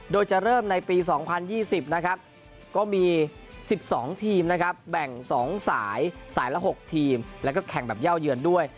โดยจะเริ่มในปี๒๐๒๐นะครับก็มี๑๒ทีมนะครับแบ่ง๒สายสายละ๖ทีมแล้วก็แข่งแบบเย่าเยือนด้วย